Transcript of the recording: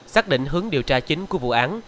xác định hướng điều tra chính của vụ án